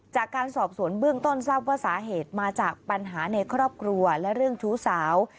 จากการสอบสวนเบื้องต้นทราบว่าสาเหตุมาจากปัญหาในครอบครัวและเรื่องชู้สาว